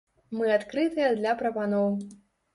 Мы адкрытыя для прапаноў.